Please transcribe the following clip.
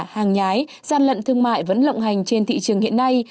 hàng nhái gian lận thương mại vẫn lộng hành trên thị trường hiện nay